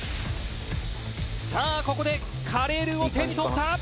「さあここでカレールーを手に取った！」